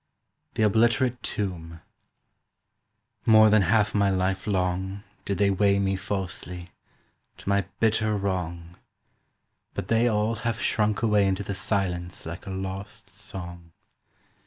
THE OBLITERATE TOMB "MORE than half my life long Did they weigh me falsely, to my bitter wrong, But they all have shrunk away into the silence Like a lost song.